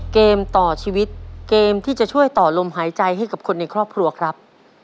เกมต่อชีวิตเกมที่จะช่วยต่อลมหายใจให้กับคนในครอบครัวครับ